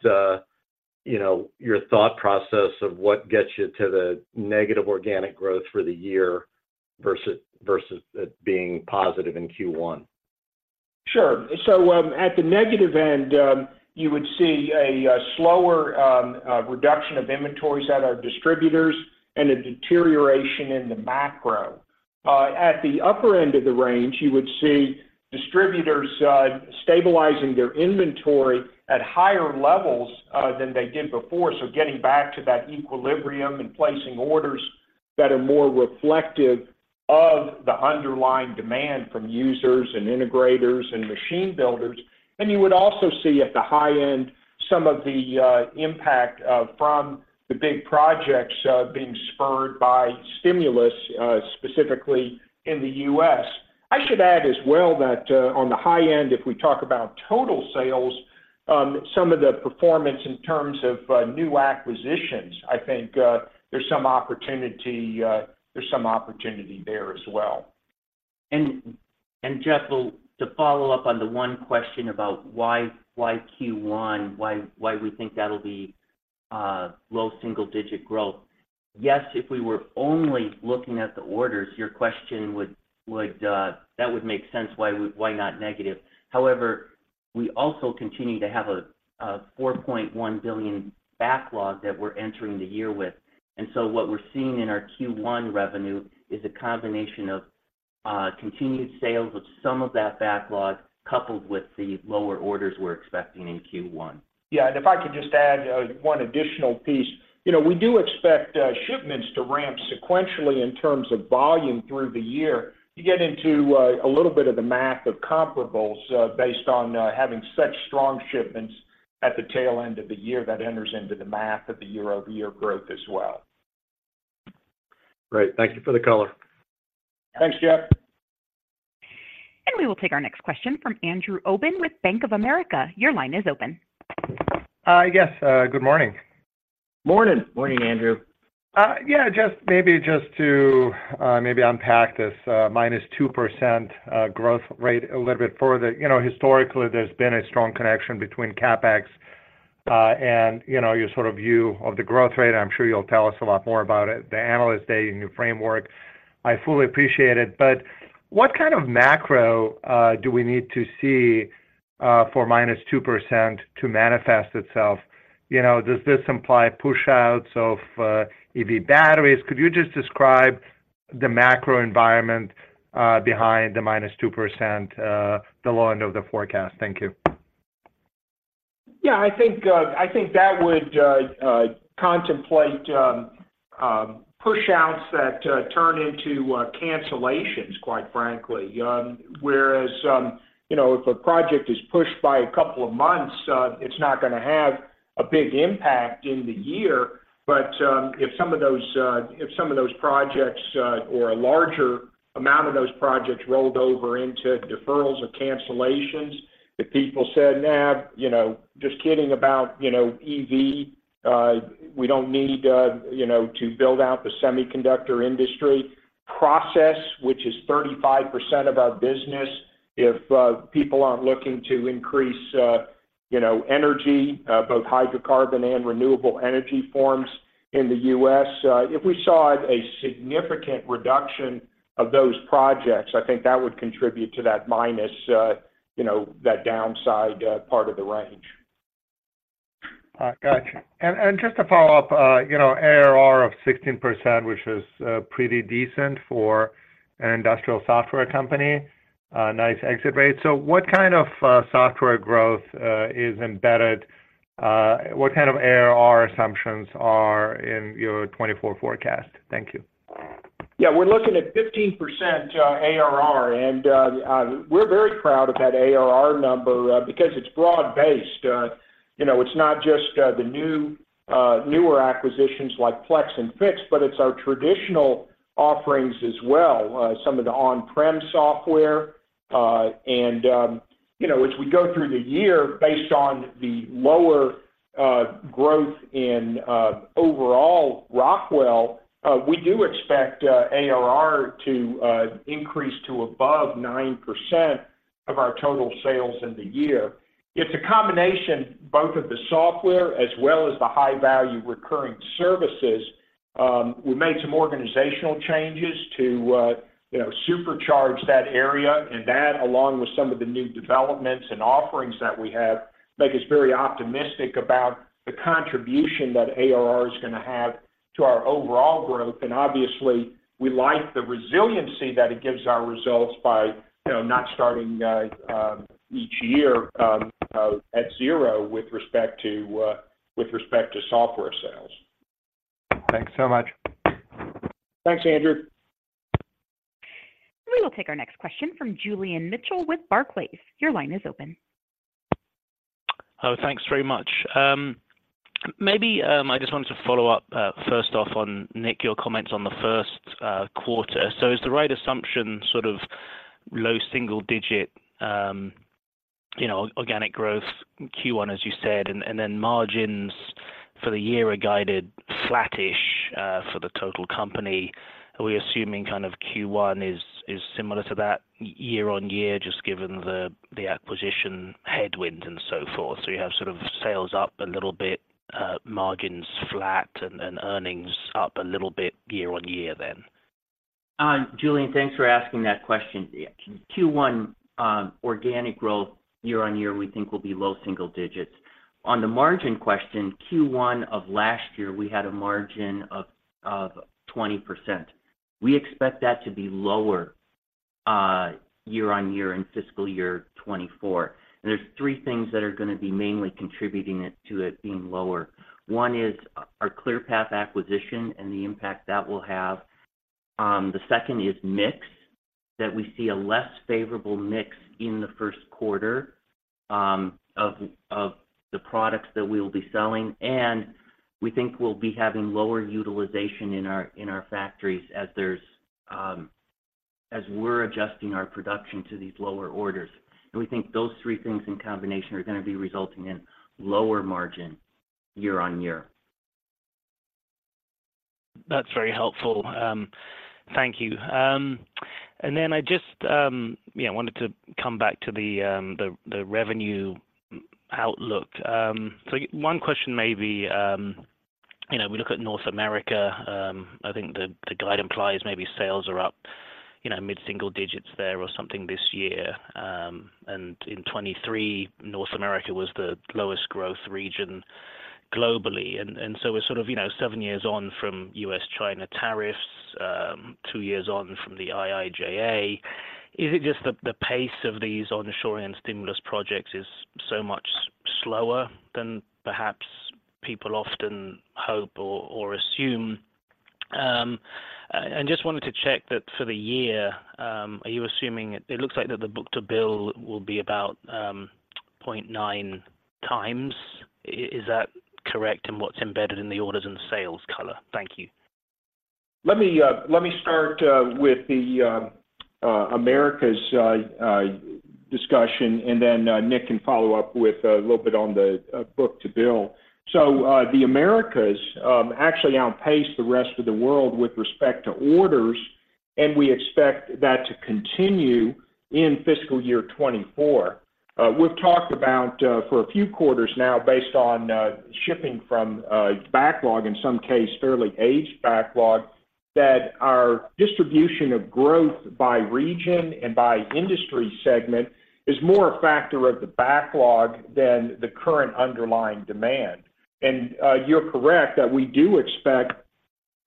you know, your thought process of what gets you to the negative organic growth for the year versus it being positive in Q1. Sure. So, at the negative end, you would see a slower reduction of inventories at our distributors and a deterioration in the macro. At the upper end of the range, you would see distributors stabilizing their inventory at higher levels than they did before. So getting back to that equilibrium and placing orders that are more reflective of the underlying demand from users and integrators and machine builders. And you would also see at the high end, some of the impact from the big projects being spurred by stimulus specifically in the U.S. I should add as well that on the high end, if we talk about total sales, some of the performance in terms of new acquisitions, I think, there's some opportunity, there's some opportunity there as well. Jeff, to follow up on the one question about why Q1, why we think that'll be low single digit growth. Yes, if we were only looking at the orders, your question would make sense. Why not negative? However, we also continue to have a $4.1 billion backlog that we're entering the year with. And so what we're seeing in our Q1 revenue is a combination of continued sales with some of that backlog, coupled with the lower orders we're expecting in Q1. Yeah, and if I could just add one additional piece. You know, we do expect shipments to ramp sequentially in terms of volume through the year. You get into a little bit of the math of comparables, based on having such strong shipments at the tail end of the year, that enters into the math of the year-over-year growth as well. Great. Thank you for the color. Thanks, Jeff. We will take our next question from Andrew Obin with Bank of America. Your line is open. Yes, good morning. Morning. Morning, Andrew. Yeah, just maybe just to, maybe unpack this, -2% growth rate a little bit further. You know, historically, there's been a strong connection between CapEx and, you know, your sort of view of the growth rate. I'm sure you'll tell us a lot more about it, the Analyst Day and your framework. I fully appreciate it, but what kind of macro do we need to see for -2% to manifest itself? You know, does this imply push outs of, EV batteries? Could you just describe the macro environment behind the -2%, the low end of the forecast? Thank you. Yeah, I think, I think that would contemplate push outs that turn into cancellations, quite frankly. Whereas, you know, if a project is pushed by a couple of months, it's not gonna have a big impact in the year. But, if some of those, if some of those projects, or a larger amount of those projects rolled over into deferrals or cancellations, if people said, "Nah, you know, just kidding about, you know, EV, we don't need, you know, to build out the semiconductor industry process, which is 35% of our business, if people aren't looking to increase, you know, energy, both hydrocarbon and renewable energy forms in the U.S., if we saw a significant reduction of those projects, I think that would contribute to that minus, you know, that downside, part of the range. Got it. And just to follow up, you know, ARR of 16%, which is pretty decent for an industrial software company, nice exit rate. So what kind of software growth is embedded, what kind of ARR assumptions are in your 2024 forecast? Thank you. Yeah, we're looking at 15% ARR, and we're very proud of that ARR number, because it's broad-based. You know, it's not just the new, newer acquisitions like Plex and Fiix, but it's our traditional offerings as well, some of the on-prem software. And, you know, as we go through the year, based on the lower growth in overall Rockwell, we do expect ARR to increase to above 9% of our total sales in the year. It's a combination, both of the software as well as the high-value recurring services. We made some organizational changes to, you know, supercharge that area, and that, along with some of the new developments and offerings that we have, make us very optimistic about the contribution that ARR is gonna have to our overall growth. Obviously, we like the resiliency that it gives our results by, you know, not starting each year at zero with respect to software sales. Thanks so much. Thanks, Andrew. We will take our next question from Julian Mitchell with Barclays. Your line is open. Oh, thanks very much. Maybe I just wanted to follow up, first off, on Nick, your comments on the first quarter. So is the right assumption sort of low single digit, you know, organic growth in Q1, as you said, and, and then margins for the year are guided flattish, for the total company? Are we assuming kind of Q1 is, is similar to that year-on-year, just given the, the acquisition headwinds and so forth? So you have sort of sales up a little bit, margins flat, and, and earnings up a little bit year-on-year then. Julian, thanks for asking that question. Q1, organic growth year-over-year, we think will be low single digits. On the margin question, Q1 of last year, we had a margin of 20%. We expect that to be lower year-over-year in fiscal year 2024. And there's three things that are gonna be mainly contributing to it being lower. One is our Clearpath acquisition and the impact that will have. The second is mix, that we see a less favorable mix in the first quarter, of the products that we will be selling, and we think we'll be having lower utilization in our factories as we're adjusting our production to these lower orders. And we think those three things in combination are gonna be resulting in lower margin year-over-year. That's very helpful. Thank you. And then I just, yeah, wanted to come back to the revenue outlook. So one question maybe, you know, we look at North America, I think the guide implies maybe sales are up, you know, mid-single digits there or something this year. And in 2023, North America was the lowest growth region globally. And so we're sort of, you know, seven years on from U.S.-China tariffs, two years on from the IIJA. Is it just that the pace of these onshoring and stimulus projects is so much slower than perhaps people often hope or assume? And just wanted to check that for the year, are you assuming, it looks like that the book-to-bill will be about 0.9x. Is that correct, and what's embedded in the orders and the sales color? Thank you. Let me start with the Americas discussion, and then Nick can follow up with a little bit on the book-to-bill. So, the Americas actually outpace the rest of the world with respect to orders, and we expect that to continue in fiscal year 2024. We've talked about, for a few quarters now, based on shipping from backlog, in some cases, fairly aged backlog, that our distribution of growth by region and by industry segment is more a factor of the backlog than the current underlying demand. And, you're correct that we do expect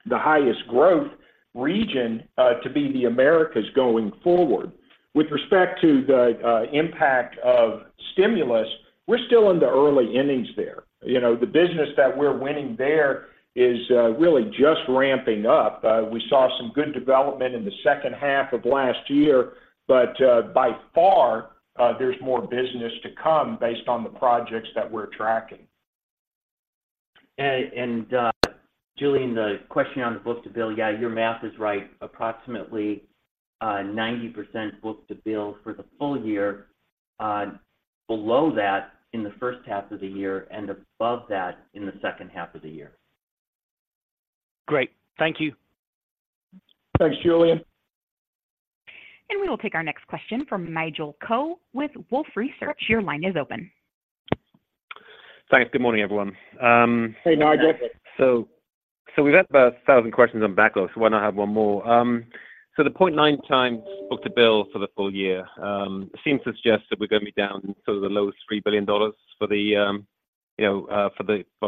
the highest growth region to be the Americas going forward. With respect to the impact of stimulus, we're still in the early innings there. You know, the business that we're winning there is really just ramping up. We saw some good development in the second half of last year, but by far, there's more business to come based on the projects that we're tracking. Julian, the question on the book-to-bill, yeah, your math is right. Approximately 90% book-to-bill for the full year, below that in the first half of the year and above that in the second half of the year. Great. Thank you. Thanks, Julian. We will take our next question from Nigel Coe with Wolfe Research. Your line is open. Thanks. Good morning, everyone. Hey, Nigel. So we've had about 1,000 questions on backlogs. Why not have one more? So the 0.9x book-to-bill for the full year seems to suggest that we're gonna be down to the lowest $3 billion for the, you know,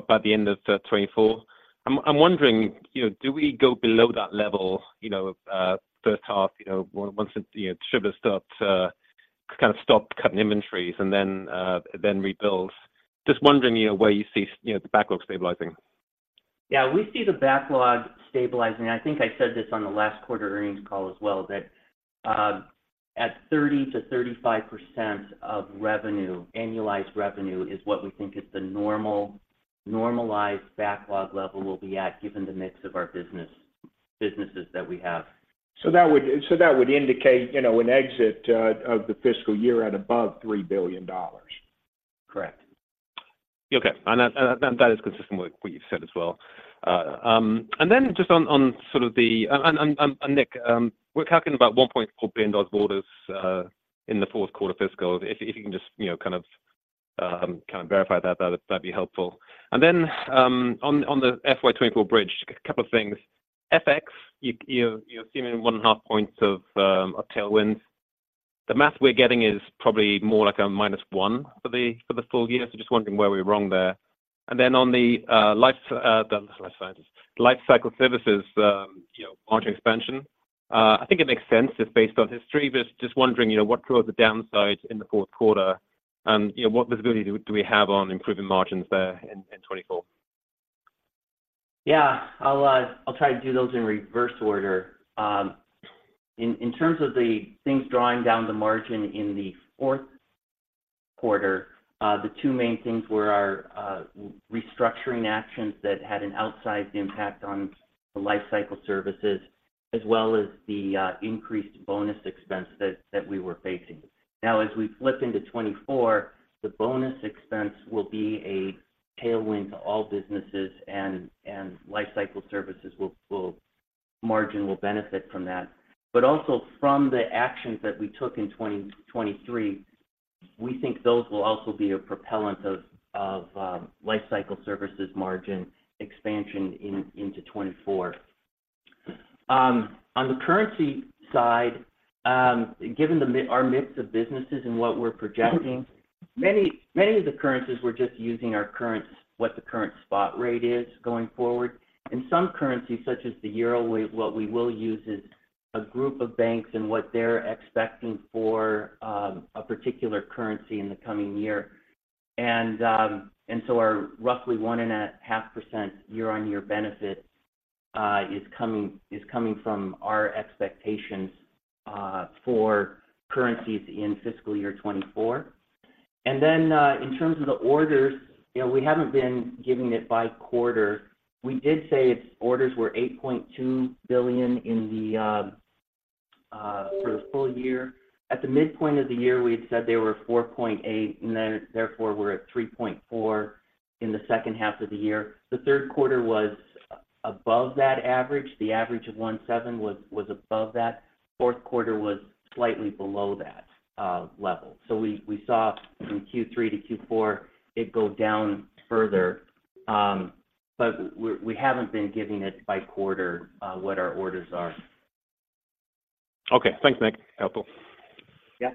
by the end of 2024. I'm wondering, you know, do we go below that level, you know, first half, you know, once it, you know, should have start to kind of stop cutting inventories and then, then rebuild? Just wondering, you know, where you see, you know, the backlog stabilizing. Yeah, we see the backlog stabilizing. I think I said this on the last quarter earnings call as well, that at 30%-35% of revenue, annualized revenue, is what we think is the normalized backlog level we'll be at, given the mix of our business, businesses that we have. So that would indicate, you know, an exit of the fiscal year at above $3 billion. Correct. Okay. And that is consistent with what you've said as well. And then just on sort of the-- And Nick, we're talking about $1.4 billion orders in the fourth quarter fiscal. If you can just, you know, kind of verify that, that'd be helpful. And then on the FY 2024 bridge, a couple of things. FX, you're assuming 1.5 points of tailwinds. The math we're getting is probably more like a -1 for the full year. So just wondering where we're wrong there. Then on the life sciences, Lifecycle Services, you know, margin expansion, I think it makes sense just based on history, but just wondering, you know, what drove the downside in the fourth quarter? And, you know, what visibility do we have on improving margins there in 2024? Yeah, I'll try to do those in reverse order. In terms of the things drawing down the margin in the fourth quarter, the two main things were our restructuring actions that had an outsized impact on the Lifecycle Services, as well as the increased bonus expense that we were facing. Now, as we flip into 2024, the bonus expense will be a tailwind to all businesses, and Lifecycle Services margin will benefit from that. But also from the actions that we took in 2023, we think those will also be a propellant of Lifecycle Services margin expansion into 2024. On the currency side, given our mix of businesses and what we're projecting, many of the currencies we're just using are current, what the current spot rate is going forward. In some currencies, such as the euro, what we will use is a group of banks and what they're expecting for a particular currency in the coming year. And so our roughly 1.5% year-on-year benefit is coming, is coming from our expectations for currencies in fiscal year 2024. And then, in terms of the orders, you know, we haven't been giving it by quarter. We did say orders were $8.2 billion for the full year. At the midpoint of the year, we had said they were $4.8 billion, and then therefore, we're at $3.4 billion in the second half of the year. The third quarter was above that average. The average of 1.7% was above that. Fourth quarter was slightly below that level. So we saw from Q3 to Q4, it go down further, but we haven't been giving it by quarter, what our orders are. Okay. Thanks, Nick. Helpful. Yeah.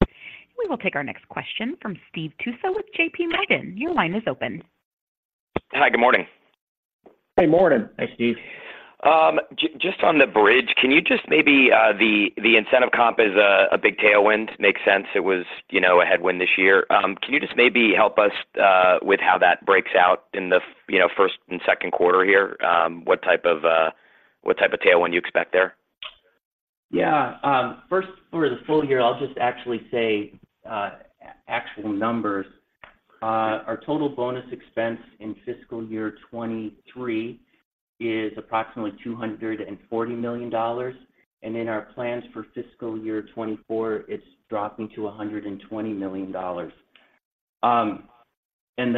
We will take our next question from Steve Tusa with J.P. Morgan. Your line is open. Hi, good morning. Good morning. Hi, Steve. Just on the bridge, can you just maybe, the incentive comp is a big tailwind. Makes sense, it was, you know, a headwind this year. Can you just maybe help us with how that breaks out in the, you know, first and second quarter here? What type of tailwind you expect there? Yeah, first for the full year, I'll just actually say actual numbers. Our total bonus expense in fiscal year 2023 is approximately $240 million, and in our plans for fiscal year 2024, it's dropping to $120 million. And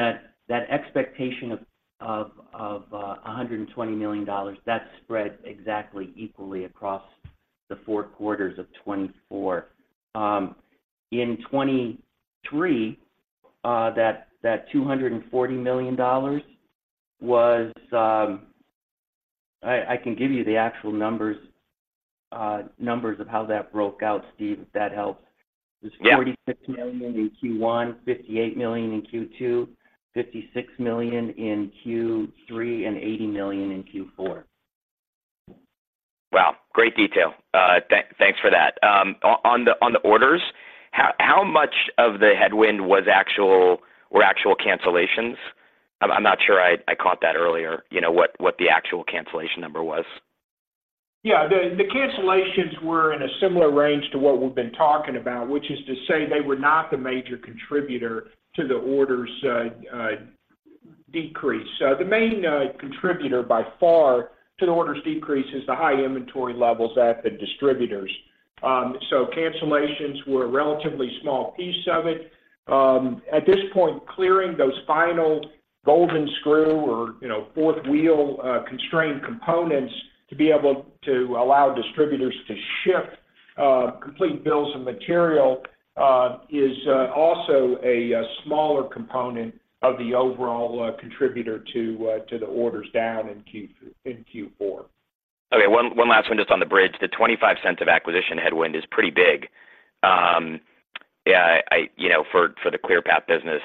that expectation of $120 million, that's spread exactly equally across the four quarters of 2024. In 2023, that $240 million was-- I can give you the actual numbers of how that broke out, Steve, if that helps. Yeah. It was $46 million in Q1, $58 million in Q2, $56 million in Q3, and $80 million in Q4. Wow! Great detail. Thanks for that. On the orders, how much of the headwind was actual—were actual cancellations? I'm not sure I caught that earlier, you know, what the actual cancellation number was. Yeah. The cancellations were in a similar range to what we've been talking about, which is to say they were not the major contributor to the orders decrease. So the main contributor by far to the orders decrease is the high inventory levels at the distributors. So cancellations were a relatively small piece of it. At this point, clearing those final golden screw or, you know, fourth wheel constraint components to be able to allow distributors to ship complete bills of material is also a smaller component of the overall contributor to the orders down in Q4. Okay, one last one just on the bridge. The $0.25 of acquisition headwind is pretty big. Yeah, I—you know, for the Clearpath business,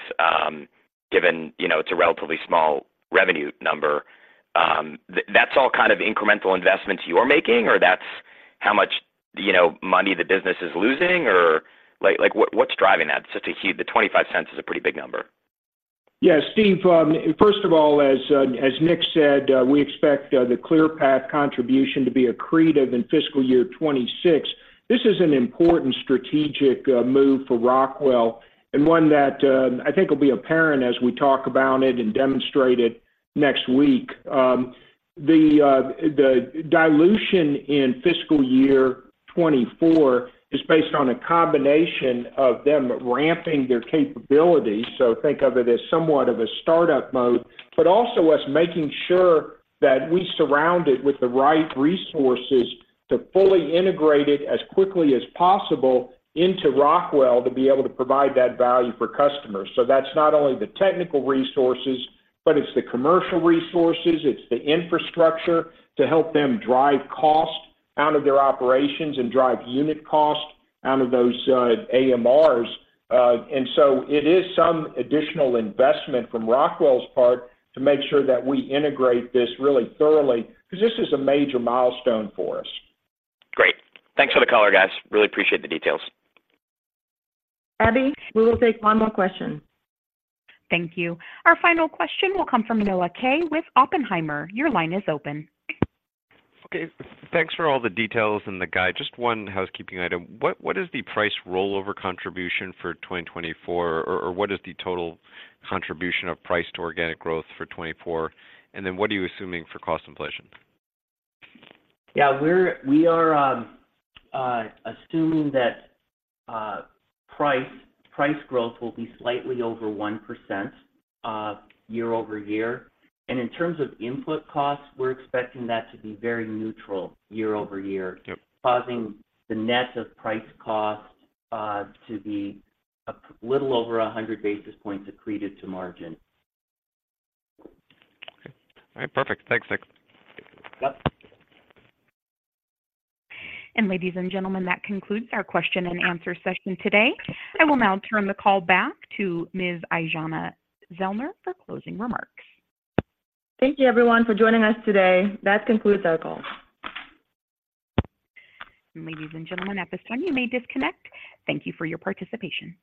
given, you know, it's a relatively small revenue number, that's all kind of incremental investments you're making, or that's how much, you know, money the business is losing? Or like, what, what's driving that? Such a huge-- The $0.25 is a pretty big number. Yeah, Steve, first of all, as Nick said, we expect the Clearpath contribution to be accretive in fiscal year 2026. This is an important strategic move for Rockwell and one that I think will be apparent as we talk about it and demonstrate it next week. The dilution in fiscal year 2024 is based on a combination of them ramping their capabilities, so think of it as somewhat of a startup mode, but also us making sure that we surround it with the right resources to fully integrate it as quickly as possible into Rockwell, to be able to provide that value for customers. So that's not only the technical resources, but it's the commercial resources, it's the infrastructure to help them drive cost out of their operations and drive unit cost out of those AMRs. It is some additional investment from Rockwell's part to make sure that we integrate this really thoroughly, because this is a major milestone for us. Great. Thanks for the color, guys. Really appreciate the details. Abby, we will take one more question. Thank you. Our final question will come from Noah Kaye with Oppenheimer. Your line is open. Okay, thanks for all the details and the guide. Just one housekeeping item. What is the price rollover contribution for 2024? Or what is the total contribution of price to organic growth for 2024? And then what are you assuming for cost inflation? Yeah, we are assuming that price growth will be slightly over 1% year-over-year. And in terms of input costs, we're expecting that to be very neutral year-over-year. Causing the net of price cost to be a little over 100 basis points accretive to margin. Okay. All right, perfect. Thanks, Nick. Yep. Ladies and gentlemen, that concludes our question and answer session today. I will now turn the call back to Ms. Aijana Zellner for closing remarks. Thank you, everyone, for joining us today. That concludes our call. Ladies and gentlemen, at this time, you may disconnect. Thank you for your participation.